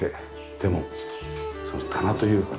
でもその棚というかね